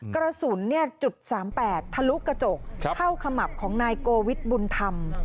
กระสุนเนี่ยจุด๓๘ถะลุกระจกเข้าขมับของนายโกวิตบุญทำ